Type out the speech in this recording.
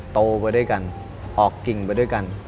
โตไปด้วยกันออกกิ่งไปด้วยกัน